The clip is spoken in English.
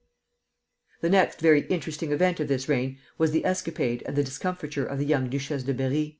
The next very interesting event of this reign was the escapade and the discomfiture of the young Duchesse de Berri.